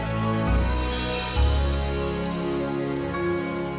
tidak pak lestri